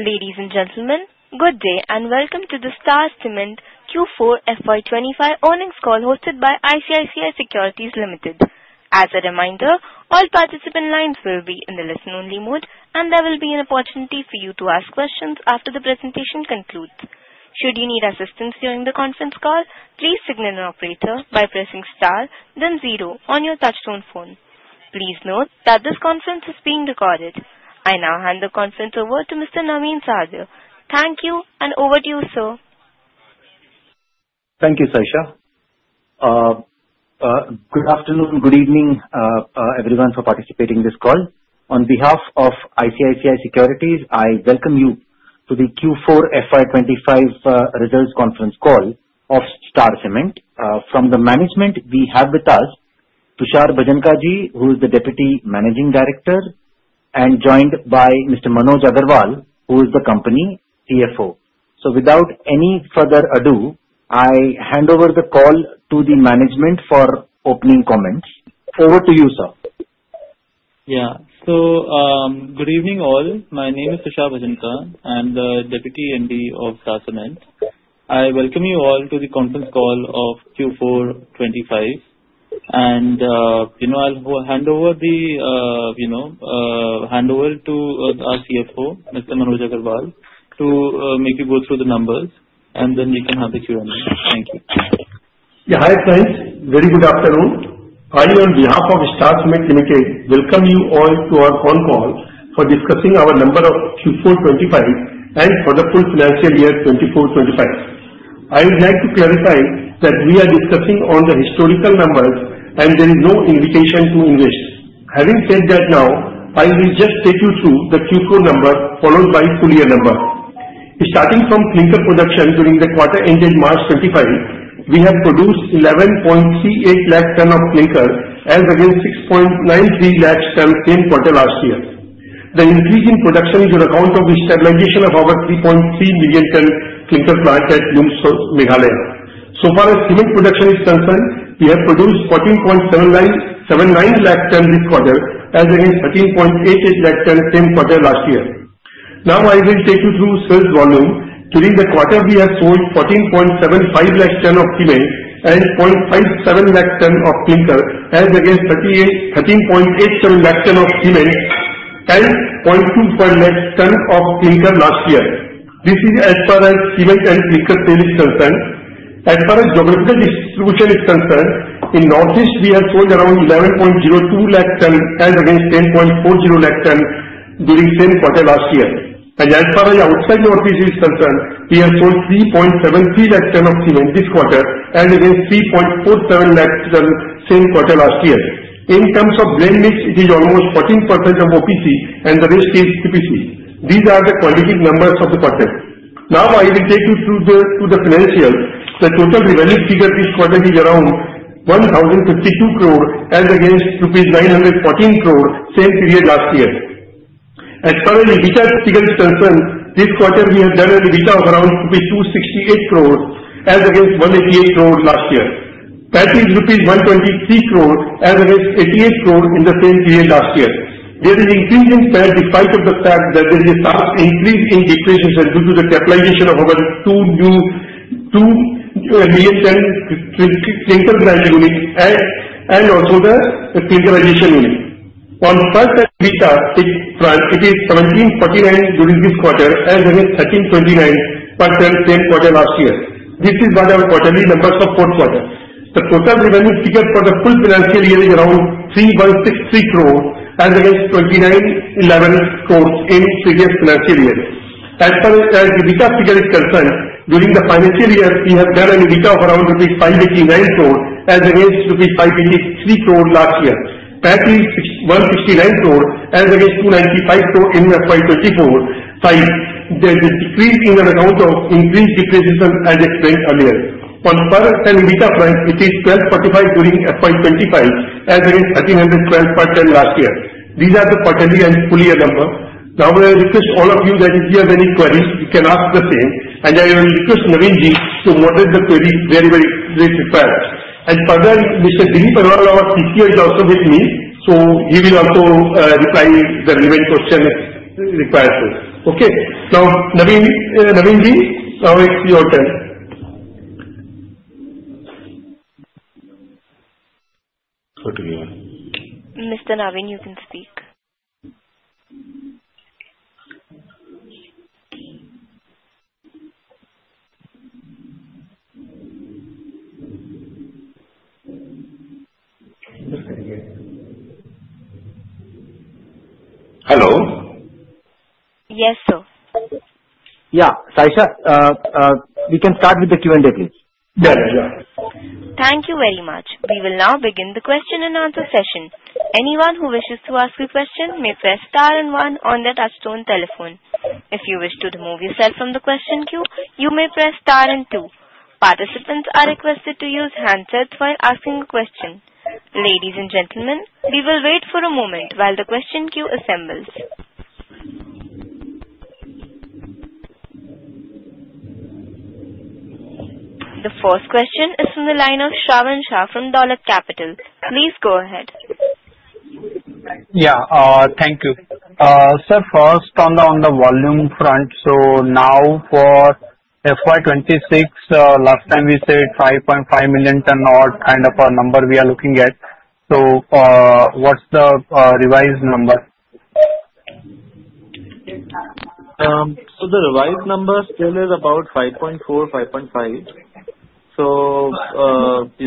Ladies and gentlemen, good day and welcome to the Star Cement Q4 FY2025 Earnings Call hosted by ICICI Securities Limited. As a reminder, all participant lines will be in the listen only mode, and there will be an opportunity for you to ask questions after the presentation concludes. Should you need assistance during the conference call, please signal an operator by pressing star, then zero on your touch tone phone. Please note that this conference is being recorded. I now hand the conference over to Mr. Navin Sahadeo. Thank you, and over to you, sir. Thank you, Sasha. Good afternoon, good evening, everyone, for participating in this call. On behalf of ICICI Securities, I welcome you to the Q4 FY 2025 results conference call of Star Cement. From the management, we have with us Tushar Bhajanka, who is the Deputy Managing Director, and joined by Mr. Manoj Agarwal, who is the Company CFO. So without any further ado, I hand over the call to the management for opening comments. Over to you, sir. Yeah, so good evening, all. My name is Tushar Bhajanka. I'm the Deputy MD of Star Cement. I welcome you all to the conference call of Q4 2025, and I'll hand over the handover to our CFO, Mr. Manoj Agarwal, to make you go through the numbers, and then we can have the Q&A. Thank you. Yeah, hi, friends. Very good afternoon. I, on behalf of Star Cement Limited, welcome you all to our phone call for discussing our numbers for Q4 FY 2025 and for the full financial year 2024-2025. I would like to clarify that we are discussing on the historical numbers, and there is no invitation to invest. Having said that, now I will just take you through the Q4 numbers followed by full year numbers. Starting from clinker production during the quarter ended March 2025, we have produced 11.38 lakh tons of clinker as against 6.93 lakh tons same quarter last year. The increase in production is on account of the stabilization of our 3.3 million ton clinker plant at Lumshnong, Meghalaya. So far as cement production is concerned, we have produced 14.79 lakh tons this quarter as against 13.88 lakh tons same quarter last year. Now I will take you through sales volume. During the quarter, we have sold 14.75 lakh tons of cement and 0.57 lakh tons of clinker as against 13.87 lakh tons of cement and 0.25 lakh tons of clinker last year. This is as far as cement and clinker sales is concerned. As far as geographical distribution is concerned, in Northeast, we have sold around 11.02 lakh tons as against 10.40 lakh tons during same quarter last year, and as far as outside Northeast is concerned, we have sold 3.73 lakh tons of cement this quarter as against 3.47 lakh tons same quarter last year. In terms of blend mix, it is almost 14% of OPC, and the rest is PPC. These are the quantitative numbers of the quarter. Now I will take you through the financials. The total revenue figure this quarter is around 1,052 crores as against rupees 914 crores same period last year. As far as the EBITDA figure is concerned, this quarter we have generated EBITDA of around INR 268 crores as against 188 crores last year. That is INR 123 crores as against 88 crores in the same period last year. There is increase in spite of the fact that there is a sharp increase in depreciation due to the capitalization of our two new 2 million ton clinker grinding units and also the clinkerization unit. On per ton EBITDA, it is 1,749 during this quarter as against 1,329 per ton same quarter last year. This is what our quarterly numbers for fourth quarter. The total revenue figure for the full financial year is around 3,163 crores as against 2,911 crore in previous financial year. As far as the EBITDA figure is concerned, during the financial year, we have generated EBITDA of around 589 crores as against 583 crores last year. That is 169 crores as against 295 crores in FY 2024. There is a decrease in the amount of increased depreciation as explained earlier. On per ton EBITDA, it is 1,245 per ton during FY 2025 as against 1,312 per ton last year. These are the quarterly and full year numbers. Now I request all of you that if you have any queries, you can ask the same, and I will request Navin ji to moderate the queries very, very briefly. As further, Mr. Dilip Agarwal, our CTO, is also with me, so he will also reply the relevant question required to. Okay, now Navin, now it's your turn. Mr. Navin, you can speak. Hello? Yes, sir. Yeah, Sasha, we can start with the Q&A, please. Thank you very much. We will now begin the question and answer session. Anyone who wishes to ask a question may press star and one on the touch tone telephone. If you wish to remove yourself from the question queue, you may press star and two. Participants are requested to use handsets while asking a question. Ladies and gentlemen, we will wait for a moment while the question queue assembles. The first question is from the line of Shravan Shah from Dolat Capital. Please go ahead. Yeah, thank you. Sir, first on the volume front, so now for FY 2026, last time we said 5.5 million ton odd kind of a number we are looking at. So what's the revised number? So the revised number still is about 5.4 million, 5.5 million. So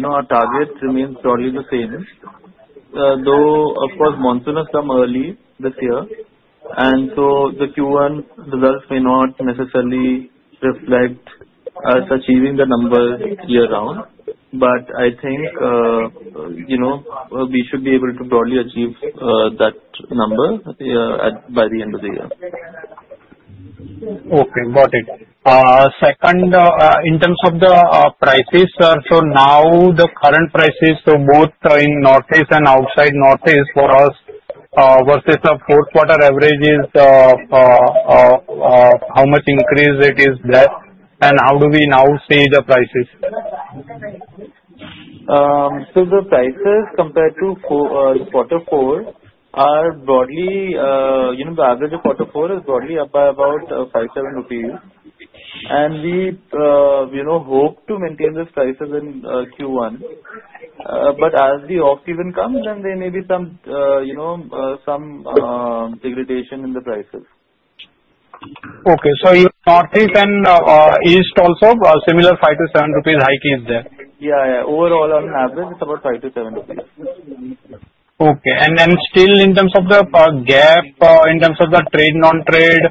our target remains probably the same, though, of course, monsoon has come early this year, and so the Q1 results may not necessarily reflect us achieving the number year-round. But I think we should be able to probably achieve that number by the end of the year. Okay, got it. Second, in terms of the prices, sir, so now the current prices, so both in Northeast and outside Northeast for us versus the fourth quarter average is how much increase it is there, and how do we now see the prices? So the prices compared to quarter four are broadly the average of quarter four is broadly up by about 5,000 crores rupees, and we hope to maintain those prices in Q1. But as the off-season comes, then there may be some degradation in the prices. Okay, so in Northeast and East also, similar 5,000 crores to 7 crores rupees hiking is there? Yeah, yeah. Overall, on average, it's about 5,000 crores to 7,000 crores rupees. Okay, and still in terms of the gap, in terms of the trade non-trade,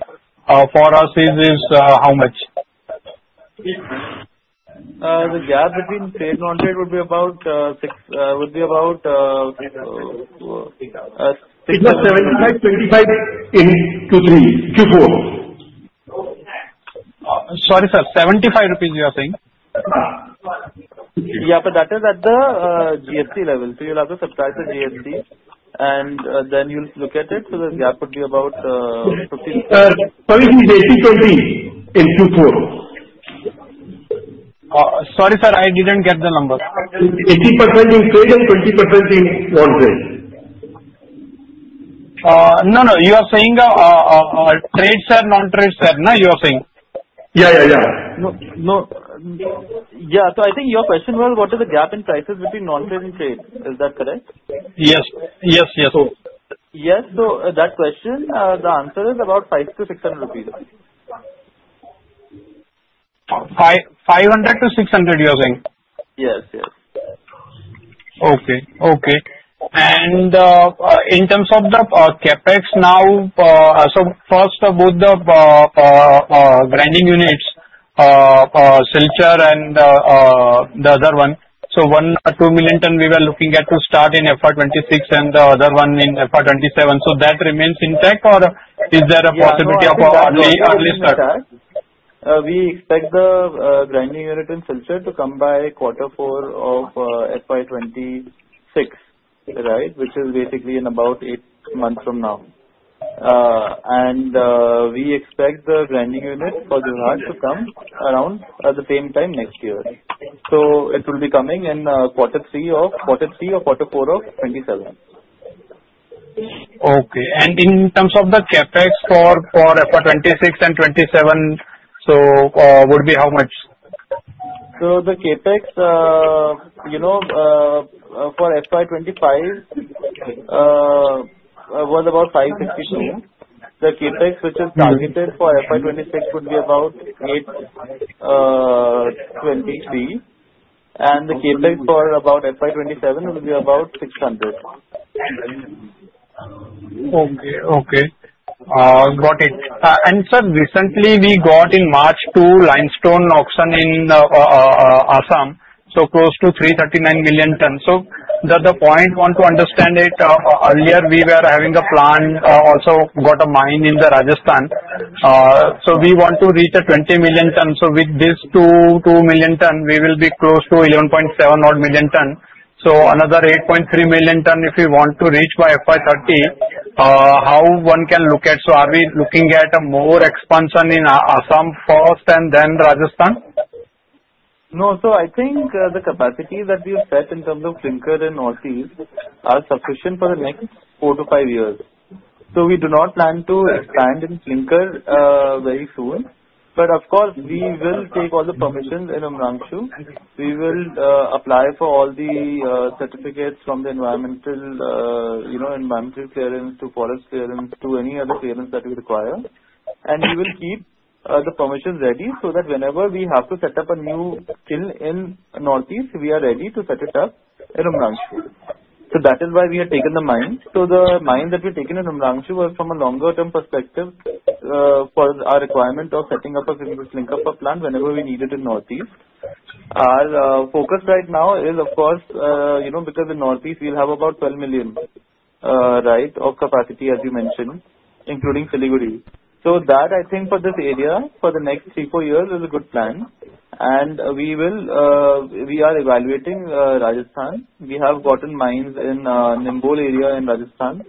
for us, it is how much? The gap between trade, non-trade would be about 75, 75 in Q3, Q4. Sorry, sir, INR 75 you are saying? Yeah, but that is at the GST level. So you'll have to subtract the GST, and then you'll look at it. So the gap would be about 50 crores. Sorry, it is 80%-20% in Q4. Sorry, sir, I didn't get the number. 80% in trade and 20% in non-trade. No, no, you are saying trade, sir, non-trade, sir. You are saying. Yeah, yeah, yeah. Yeah, so I think your question was, what is the gap in prices between non-trade and trade? Is that correct? Yes, yes, yes. Yes, so that question, the answer is about 500 crores to 600 crores rupees. 500 crores to 600 crores you are saying? Yes, yes. Okay, okay, and in terms of the CapEx, now, so first of both the grinding units, Silchar and the other one, so 1 or 2 million ton we were looking at to start in FY 2026 and the other one in FY 2027. So that remains intact, or is there a possibility of early start? We expect the grinding unit in Silchar to come by quarter four of FY 2026, right, which is basically in about eight months from now. And we expect the grinding unit in Jorhat to come around at the same time next year. So it will be coming in quarter three or quarter four of FY 2027. Okay, and in terms of the CapEx for FY 2026 and 2027, so would be how much? The CapEx for FY 2025 was about 562 crores. The CapEx which is targeted for FY 2026 would be about 823 crores, and the CapEx for about FY 2027 would be about 600 crores. Okay, okay. Got it. And sir, recently we got in March two limestone auctions in Assam, so close to 339 million tons. So the point, I want to understand it. Earlier, we were having a plan, also got a mine in Rajasthan. So we want to reach 20 million tons. So with these 2 million tons, we will be close to 11.7 million tons. So another 8.3 million tons, if we want to reach by FY 2030, how one can look at? So are we looking at more expansion in Assam first and then Rajasthan? No, so I think the capacity that we have set in terms of clinker and all these are sufficient for the next four to five years. So we do not plan to expand in clinker very soon. But of course, we will take all the permissions in Umrangso. We will apply for all the certificates from the environmental clearance to forest clearance to any other clearance that we require. And we will keep the permissions ready so that whenever we have to set up a new kiln in Northeast, we are ready to set it up in Umrangso. So that is why we have taken the mine. So the mine that we've taken in Umrangso was from a longer-term perspective for our requirement of setting up a clinker plant whenever we need it in Northeast. Our focus right now is, of course, because in Northeast, we'll have about 12 million tons, right, of capacity, as you mentioned, including Siliguri. So that, I think, for this area, for the next three, four years, is a good plan. And we are evaluating Rajasthan. We have gotten mines in Nimbahera area in Rajasthan.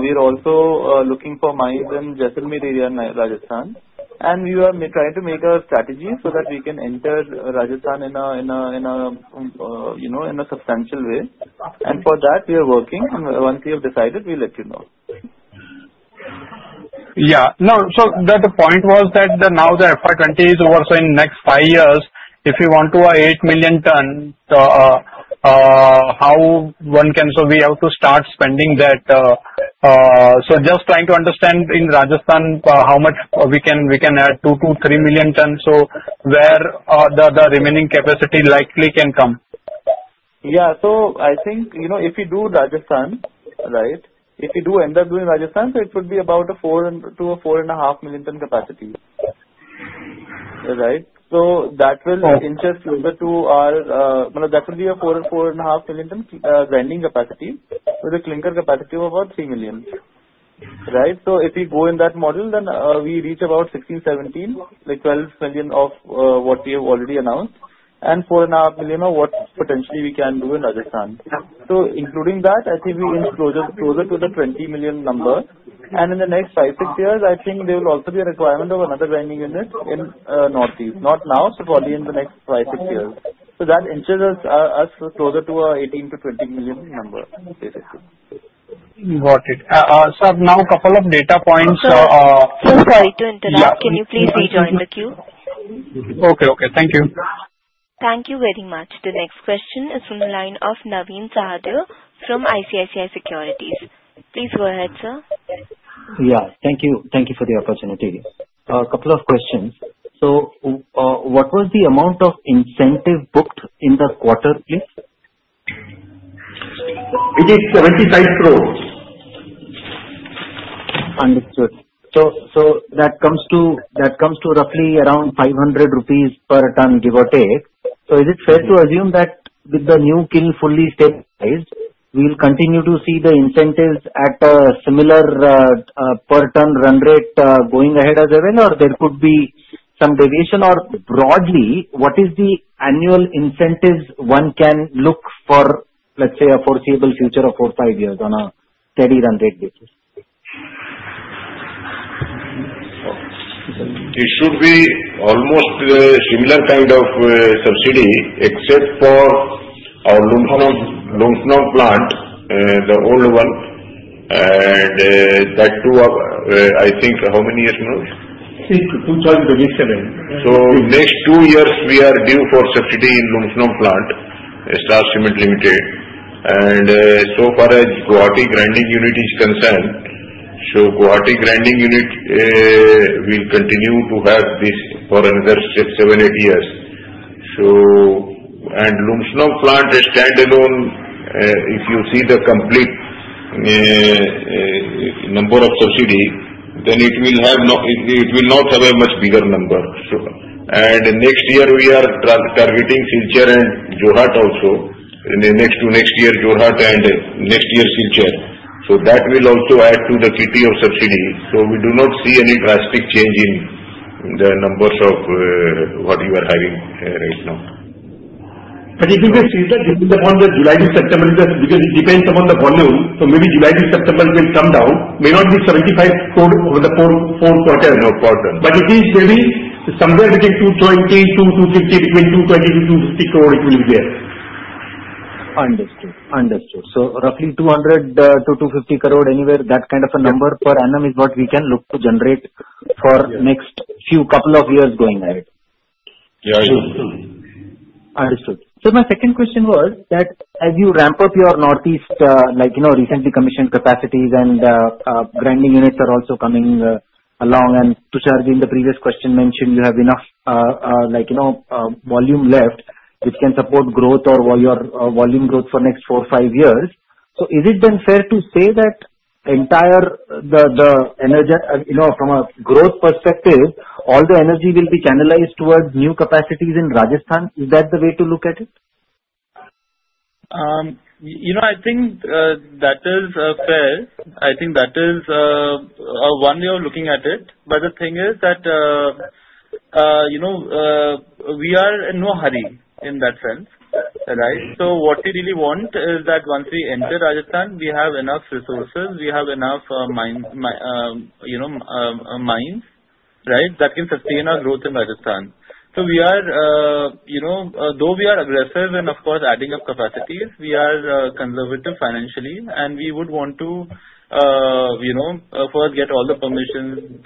We are also looking for mines in Jaisalmer area in Rajasthan. And we are trying to make a strategy so that we can enter Rajasthan in a substantial way. And for that, we are working. Once we have decided, we'll let you know. Yeah, no, so the point was that now the FY 2020 is over. So in the next five years, if we want to have 8 million tons, how one can be able to start spending that. So just trying to understand in Rajasthan how much we can add, 2 million tons to 3 million tons, so where the remaining capacity likely can come. Yeah, so I think if we do Rajasthan, right, if we do end up doing Rajasthan, so it would be about a 4 million tons to 4.5 million tons capacity. Right? So that will inch closer to our, that would be a 4 million tons to 4.5 million tons grinding capacity with a clinker capacity of about 3 million tons, right? So if we go in that model, then we reach about 16 million tons, 17 million tons, like 12 million tons of what we have already announced, and 4.5 million tons of what potentially we can do in Rajasthan. So including that, I think we inch closer to the 20 million tons number. And in the next five, six years, I think there will also be a requirement of another grinding unit in Northeast. Not now, but probably in the next five, six years. So that inches us closer to a 18 million to 20 million number, basically. Got it. Sir, now a couple of data points. Sorry to interrupt. Can you please rejoin the queue? Okay, okay. Thank you. Thank you very much. The next question is from the line of Navin Sahadeo from ICICI Securities. Please go ahead, sir. Yeah, thank you. Thank you for the opportunity. A couple of questions. So what was the amount of incentive booked in the quarter, please? It is INR 75 crores. Understood. So that comes to roughly around 500 crores rupees per ton, give or take. So is it fair to assume that with the new kiln fully stabilized, we'll continue to see the incentives at a similar per ton run rate going ahead as well, or there could be some deviation? Or broadly, what is the annual incentives one can look for, let's say, a foreseeable future of four, five years on a steady run rate basis? It should be almost similar kind of subsidy, except for our Lumshnong plant. The old one. And that too, I think, how many years now? Since 2017. Next two years, we are due for subsidy in Lumshnong plant at Star Cement Limited. And so far as Guwahati grinding unit is concerned, so Guwahati grinding unit will continue to have this for another six, seven, eight years. And Lumshnong plant standalone, if you see the complete number of subsidy, then it will not have a much bigger number. And next year, we are targeting Silchar and Jorhat also. In the next two next year, Jorhat and next year, Silchar. So that will also add to the cut of subsidy. So we do not see any drastic change in the numbers of what we are having right now. But if you see that, depending upon the July to September, because it depends upon the volume, so maybe July to September will come down. May not be 75 crores for the four quarters. No quarters. But it is maybe somewhere between 220 crores to 250 crore, it will be there. Understood. Understood. So roughly 200 crores to 250 crores anywhere, that kind of a number per annum is what we can look to generate for next few couple of years going ahead. Yeah, I do. Understood. So my second question was that as you ramp up your Northeast, like recently commissioned capacities and grinding units are also coming along, and Tushar in the previous question mentioned you have enough volume left which can support growth or your volume growth for next four, five years. So is it then fair to say that entire the energy from a growth perspective, all the energy will be canalized towards new capacities in Rajasthan? Is that the way to look at it? I think that is fair. I think that is one way of looking at it. But the thing is that we are in no hurry in that sense, right? So what we really want is that once we enter Rajasthan, we have enough resources, we have enough mines, right, that can sustain our growth in Rajasthan. So we are, though we are aggressive and of course adding up capacities, we are conservative financially, and we would want to first get all the permission,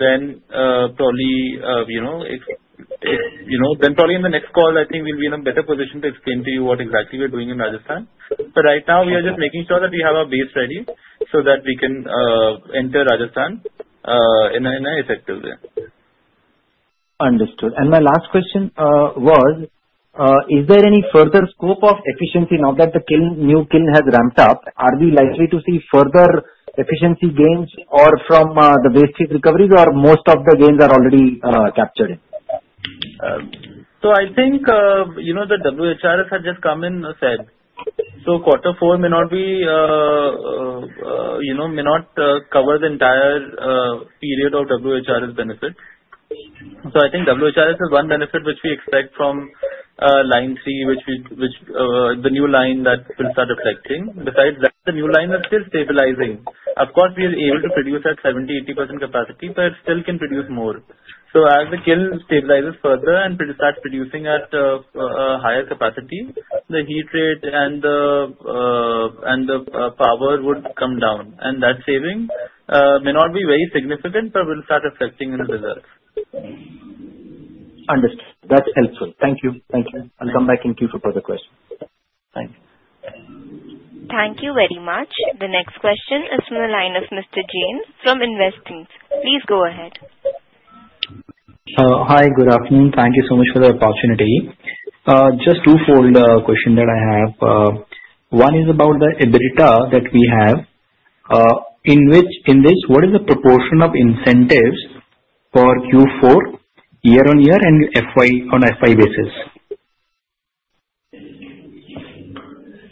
then probably in the next call, I think we'll be in a better position to explain to you what exactly we are doing in Rajasthan. But right now, we are just making sure that we have our base ready so that we can enter Rajasthan in an effective way. Understood. And my last question was, is there any further scope of efficiency now that the new kiln has ramped up? Are we likely to see further efficiency gains from the waste recoveries, or most of the gains are already captured? I think the WHRS has just come in and said, so quarter four may not cover the entire period of WHRS benefits. I think WHRS is one benefit which we expect from line three, which the new line that will start reflecting. Besides that, the new line is still stabilizing. Of course, we are able to produce at 70% to 80% capacity, but it still can produce more. As the kiln stabilizes further and starts producing at a higher capacity, the heat rate and the power would come down. That saving may not be very significant, but will start reflecting in the results. Understood. That's helpful. Thank you. Thank you. I'll come back in queue for further questions. Thanks. Thank you very much. The next question is from the line of Mr. Jain from Investec. Please go ahead. Hi, good afternoon. Thank you so much for the opportunity. Just two-fold question that I have. One is about the EBITDA that we have. In this, what is the proportion of incentives for Q4 year-on-year and on FY basis?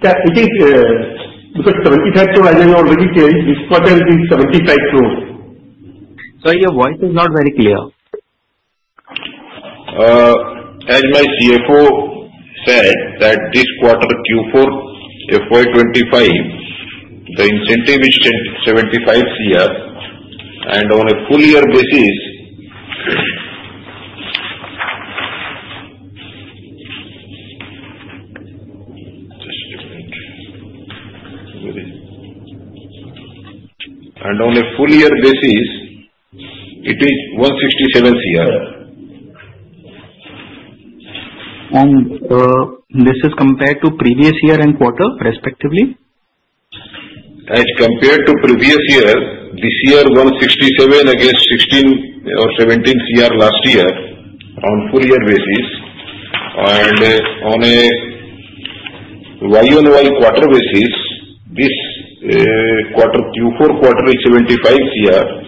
Yeah, I think INR 75 crores, as I already said, this quarter is 75 crores. Sorry, your voice is not very clear. As my CFO said, that this quarter Q4, FY 2025, the incentive is 75 crores and on a full year basis. Just a minute, and on a full year basis, it is INR 167 crores. This is compared to previous year and quarter, respectively? As compared to previous year, this year 167 against 16 crores or 17 crores last year on full year basis. And on a YoY quarter basis, this quarter Q4 quarter is INR 75 crores.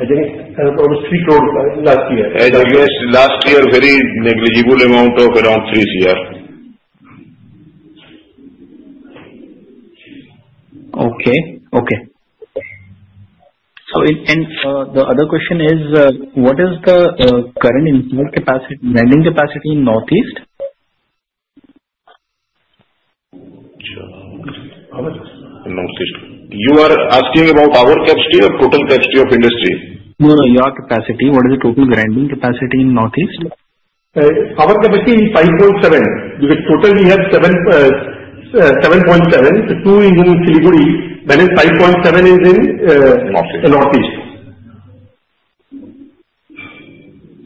I think it was INR 3 crores last year. As of last year, very negligible amount of around 3 crores. Okay, okay. So the other question is, what is the current grinding capacity in Northeast? Northeast. You are asking about our capacity or total capacity of industry? No, no, your capacity. What is the total grinding capacity in Northeast? Our capacity is 5.7. Because totally we have 7.7. Two is in Siliguri, that is 5.7 is in Northeast.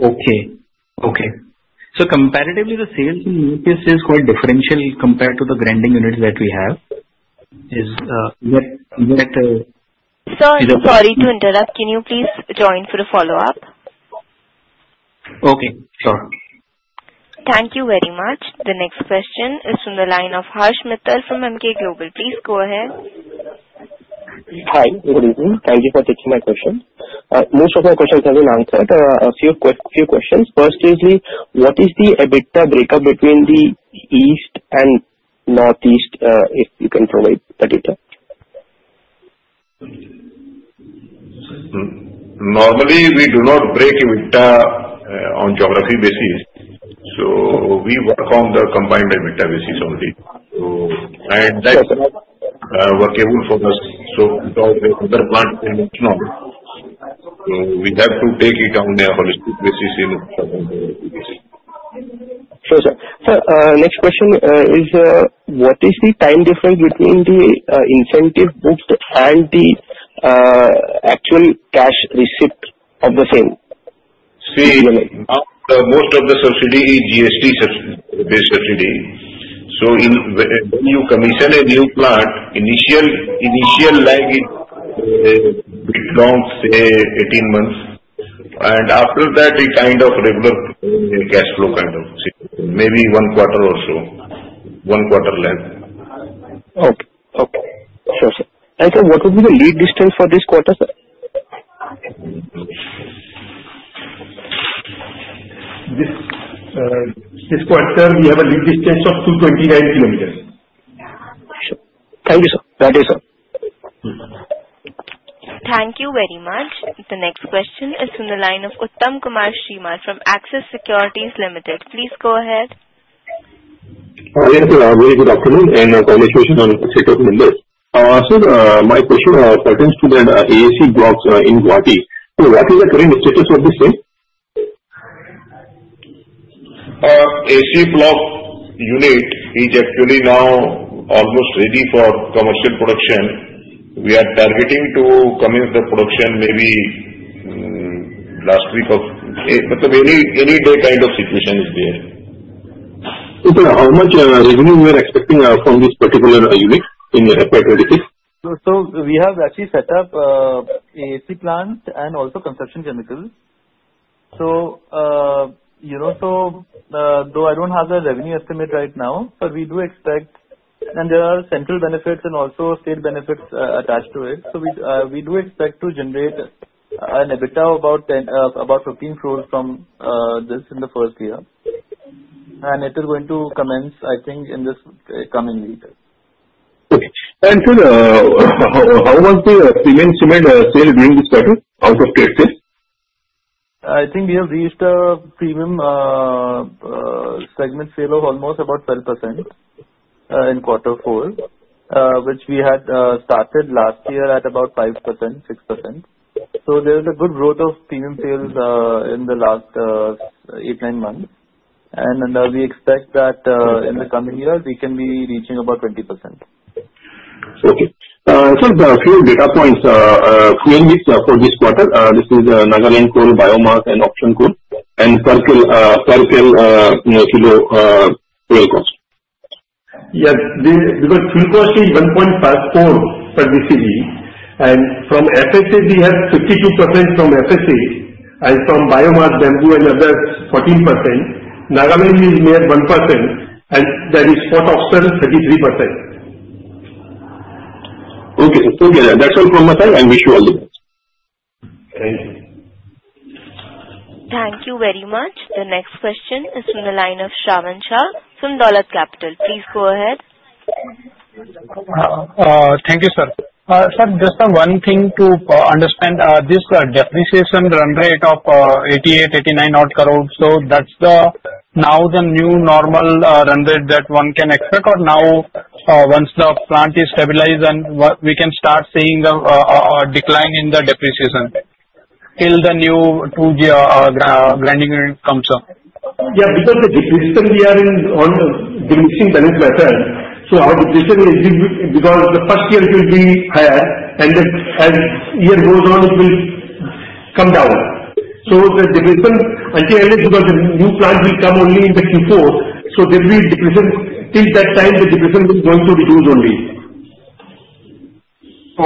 Okay, okay. So comparatively, the sales in OPC is quite different compared to the grinding units that we have. Is that? Sir, sorry to interrupt. Can you please join for a follow-up? Okay, sure. Thank you very much. The next question is from the line of Harsh Mittal from Emkay Global Financial Services. Please go ahead. Hi, good evening. Thank you for taking my question. Most of my questions have been answered. A few questions. First is, what is the EBITDA breakdown between the East and Northeast, if you can provide that detail? Normally, we do not break EBITDA on geography basis. So we work on the combined EBITDA basis only. And that's workable for us. So other plants in lump sum. So we have to take it on a holistic basis in. Sure, sure. Sir, next question is, what is the time difference between the incentive booked and the actual cash receipt are the same? Same, most of the subsidy is GST-based subsidy. So when you commission a new plant, initial lag belongs to 18 months. And after that, it kind of regular cash flow kind of. Maybe one quarter or so, one quarter lag. Okay, okay. Sure, sure. Sir, what would be the lead distance for this quarter, sir? This quarter, we have a lead distance of 229 km. Sure. Thank you, sir. That is all. Thank you very much. The next question is from the line of Uttam Kumar Srimal from Axis Securities Limited. Please go ahead. Yes, sir. Very good afternoon and congratulations on the set of numbers. Sir, my question pertains to the AAC blocks in Guwahati. So what is the current status of this thing? AAC block unit is actually now almost ready for commercial production. We are targeting to commence the production maybe last week of any day kind of situation is there. Okay, how much revenue we are expecting from this particular unit in FY 20s26? We have actually set up AAC plants and also construction chemicals. Though I don't have a revenue estimate right now, but we do expect and there are central benefits and also state benefits attached to it. We do expect to generate an EBITDA of about 15 crores from this in the first year. It is going to commence, I think, in this coming week. Okay. And sir, how was the Premium Cement sale during this quarter out of trade sale? I think we have reached a premium segment sale of almost about 12% in quarter four, which we had started last year at about 5%-6%. So there is a good growth of premium sales in the last eight, nine months. And we expect that in the coming year, we can be reaching about 20%. Okay, so a few data points for this quarter. This is Nagaland coal, biomass, and auction coal and per kilo oil cost. Yeah, because fuel cost is INR 1.54 million crores per deciliter. And from FSA, we have 52% from FSA. And from biomass, bamboo, and others, 14%. Nagaland is near 1%. And that is for pet coke, 33%. Okay, okay. That's all from my side. I wish you all the best. Thank you. Thank you very much. The next question is from the line of Shravan Shah from Dolat Capital. Please go ahead. Thank you, sir. Sir, just one thing to understand. This depreciation run rate of 88, 89 odd crores. So that's the now the new normal run rate that one can expect, or now once the plant is stabilized and we can start seeing a decline in the depreciation till the new grinding unit comes? Yeah, because the depreciation we are in on the existing balance sheet. So our depreciation will be because the first year it will be higher. And as year goes on, it will come down. So the depreciation until because the new plant will come only in the Q4. So there will be depreciation. Until that time, the depreciation is going to reduce only.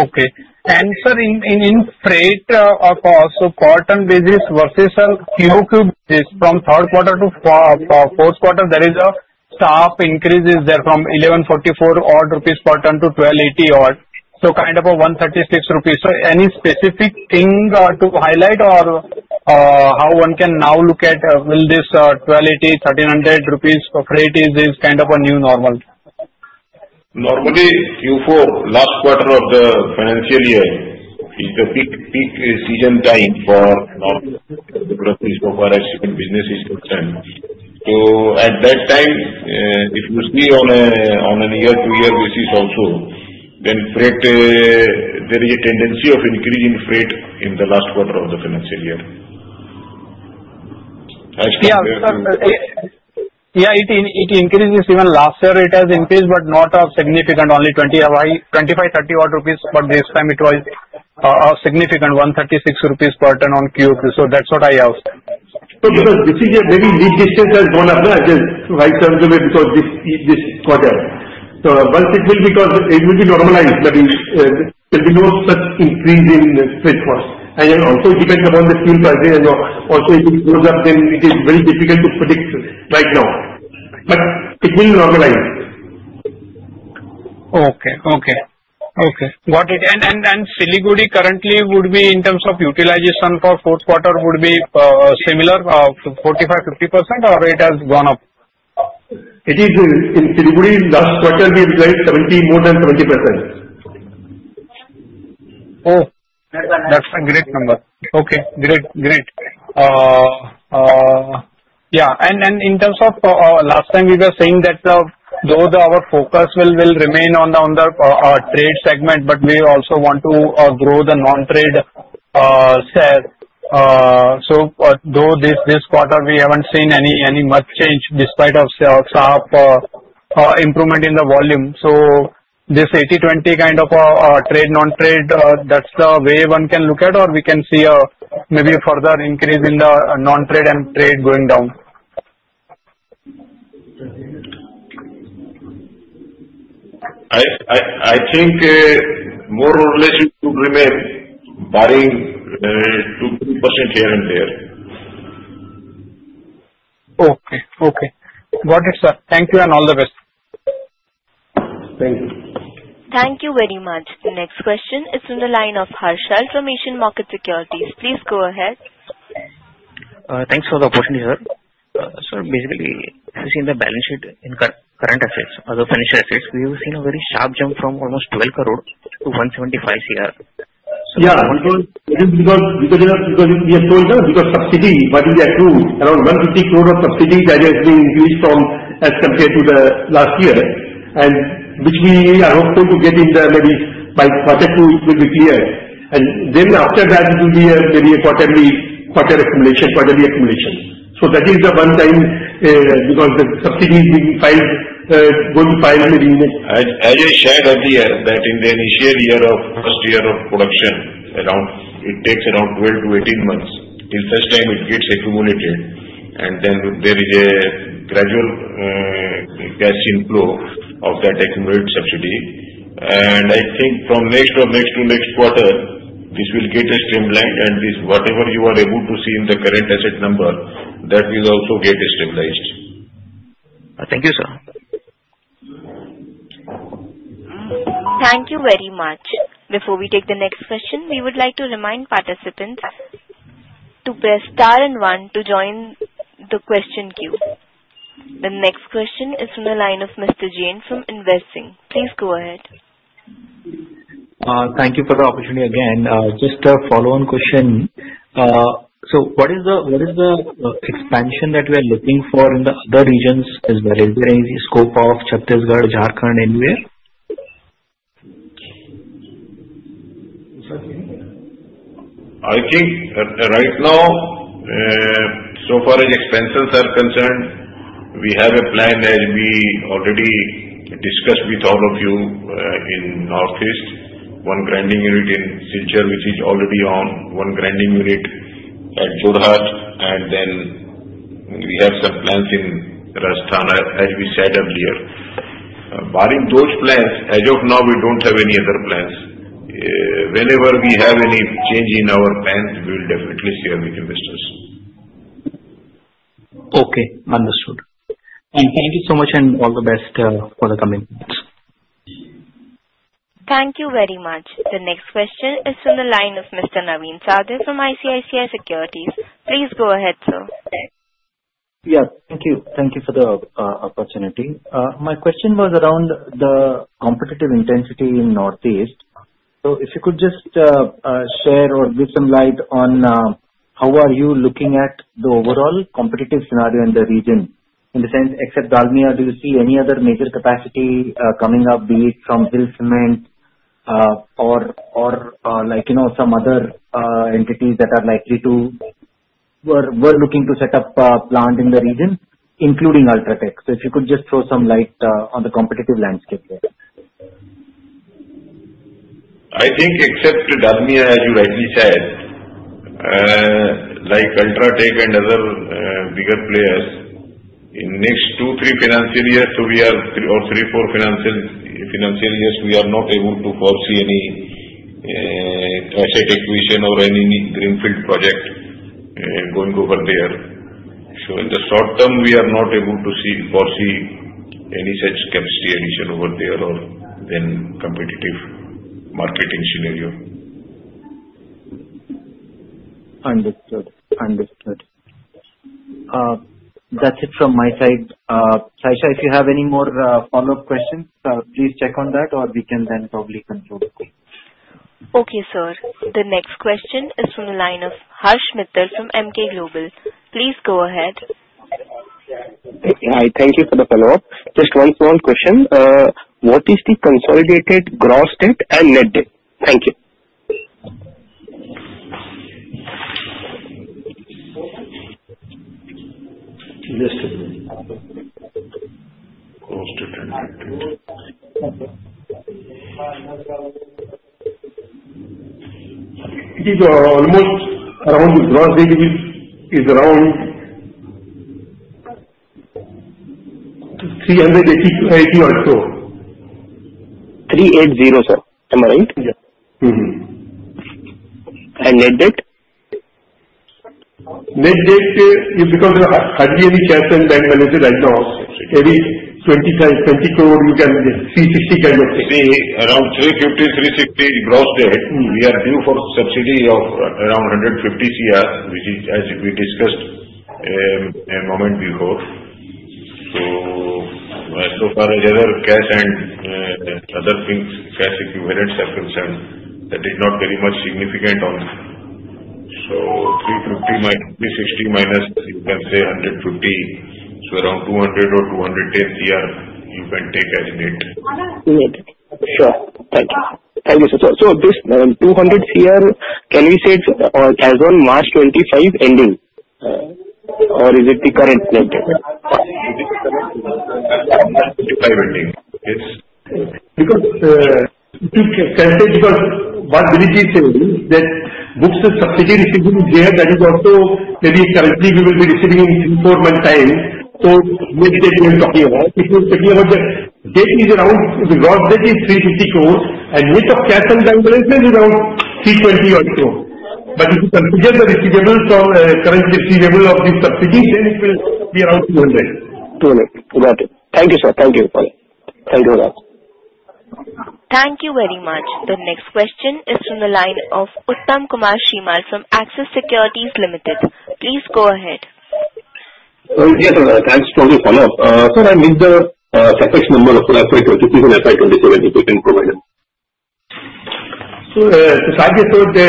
Okay. And sir, in trade, so per ton basis versus Q-on-Q basis from third quarter to fourth quarter, there is a sharp increase there from 1144 crores rupees odd per ton to 1280 crores odd. So kind of 136 crores rupees. So any specific thing to highlight or how one can now look at will this 1280, 1300 rupees rate is kind of a new normal? Normally, Q4, last quarter of the financial year is the peak season time for the business, so at that time, if you see on a year-to-year basis also, then there is a tendency of increase in freight in the last quarter of the financial year. Yeah, it increases even last year. It has increased, but not of significant, only 25-30 rupees odd. But this time, it was significant, 136 crores rupees per ton on Q2. So that's what I have. So because this is a very long distance has gone up, right, sir, because this quarter. So once it will be normalized, there will be no such increase in freight cost. And also it depends upon the fuel prices. And also if it goes up, then it is very difficult to predict right now. But it will normalize. Okay, okay. Okay. And Siliguri currently would be in terms of utilization for fourth quarter would be similar 45%-50%, or it has gone up? It is in Siliguri, last quarter we utilized more than 70%. Oh, that's a great number. Okay, great, great. Yeah. And in terms of last time, we were saying that though our focus will remain on the trade segment, but we also want to grow the non-trade share. So though this quarter, we haven't seen any much change despite of sharp improvement in the volume. So this 80-20 kind of trade-non-trade, that's the way one can look at, or we can see maybe further increase in the non-trade and trade going down? I think more or less it would remain barring 2% here and there. Okay, okay. Got it, sir. Thank you and all the best. Thank you. Thank you very much. The next question is from the line of Harshal from Asian Markets Securities. Please go ahead. Thanks for the opportunity, sir. Sir, basically, if you see in the balance sheet in current assets, other financial assets, we have seen a very sharp jump from almost 12 crore to 175 crore. Yeah, because we are told because subsidy, what we accrued, around 150 crore of subsidy, that has been increased as compared to the last year. And which we are hopeful to get in maybe by quarter two, it will be clear. And then after that, it will be maybe a quarterly accumulation. So that is the one time because the subsidy is going to pile maybe. As I shared earlier, that in the initial year of first year of production, it takes around 12 months to 18 months till first time it gets accumulated. And then there is a gradual cash inflow of that accumulated subsidy. And I think from next to next quarter, this will get streamlined. And whatever you are able to see in the current asset number, that will also get stabilized. Thank you, sir. Thank you very much. Before we take the next question, we would like to remind participants to press star and one to join the question queue. The next question is from the line of Mr. Jain from Investec. Please go ahead. Thank you for the opportunity again. Just a follow-on question. So what is the expansion that we are looking for in the other regions as well? Is there any scope of Chhattisgarh, Jharkhand, anywhere? I think right now, so far as expansions are concerned, we have a plan as we already discussed with all of you in Northeast. One grinding unit in Silchar, which is already on. One grinding unit at Jorhat. And then we have some plans in Rajasthan, as we said earlier. Barring those plans, as of now, we don't have any other plans. Whenever we have any change in our plans, we will definitely share with investors. Okay, understood. Thank you so much and all the best for the coming months. Thank you very much. The next question is from the line of Mr. Navin Sahadeo from ICICI Securities. Please go ahead, sir. Yes, thank you. Thank you for the opportunity. My question was around the competitive intensity in Northeast. So if you could just share or give some light on how are you looking at the overall competitive scenario in the region. In the sense, except Dalmia, do you see any other major capacity coming up, be it from Hills Cement or some other entities that are likely to were looking to set up a plant in the region, including UltraTech? So if you could just throw some light on the competitive landscape there. I think except Dalmia, as you rightly said, like UltraTech and other bigger players, in the next two, three financial years, or three, four financial years, we are not able to foresee any asset acquisition or any greenfield project going over there. So in the short term, we are not able to foresee any such capacity addition over there or the competitive market scenario. Understood. Understood. That's it from my side. Sasha, if you have any more follow-up questions, please check on that, or we can then probably conclude. Okay, sir. The next question is from the line of Harsh Mittal from Emkay Global. Please go ahead. Hi, thank you for the follow-up. Just one question. What is the consolidated gross debt and net debt? Thank you. It is almost around gross debt is around INR 380 crores or so. 3-8-0, sir. Am I right? Yeah. And net debt? Net debt, because there are hardly any cash that we manage right now. Maybe 20 crore, you can see 60 crore kind of thing. See, around 350 crores to 360 crore gross debt, we are due for subsidy of around 150 crores, which is, as we discussed a moment before. So far, as other cash and other things, cash equivalent circumstance, that is not very much significant on. So 350 minus 360 minus, you can say 150 crores. So around 200 crores or 210 crores, you can take as net. Sure. Thank you. Thank you, sir. So this 200 crore,s can we say it's as of March 2025 ending, or is it the current net debt? It is the current ending. Yes. Because currently, because what we need to say is that books subsidy receivables here, that is also maybe currently we will be receiving in three or four months' time. So we will be talking about. It will be about the debt is around gross debt is 350 crores, and net of cash and equivalent is around 320 crores or so. But if you consider the receivables or current receivable of these subsidies, then it will be around INR 200 crores. Got it. Thank you, sir. Thank you for that. Thank you a lot. Thank you very much. The next question is from the line of Uttam Kumar Srimal from Axis Securities Limited. Please go ahead. Yes, sir. Thanks for the follow-up. Sir, I missed the FX number for FY 2026 and FY 2027, if you can provide them. So as I just told, the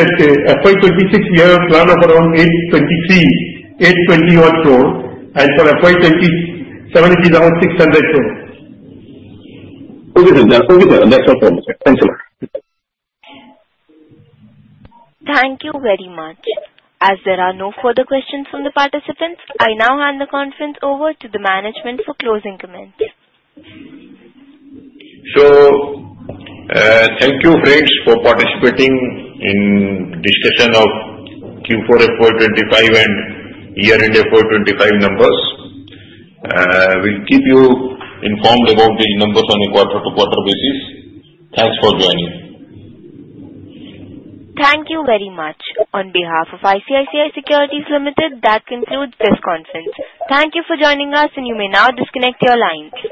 FY 2026, we have a plan of around 823 crores, 820 odd crore. And for FY 2027, it is around 600 crores. Okay, sir. That's no problem. Thank you a lot. Thank you very much. As there are no further questions from the participants, I now hand the conference over to the management for closing comment. So thank you, friends, for participating in discussion of Q4 FY 2025 and year-end FY 2025 numbers. We'll keep you informed about these numbers on a quarter-to-quarter basis. Thanks for joining. Thank you very much. On behalf of ICICI Securities Limited, that concludes this conference. Thank you for joining us, and you may now disconnect your lines.